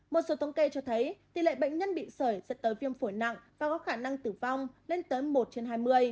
một số thống kê cho thấy tỷ lệ bệnh nhân bị sởi dẫn tới viêm phổi nặng và có khả năng tử vong lên tới một trên hai mươi